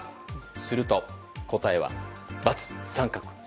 すると、答えは×、△、△。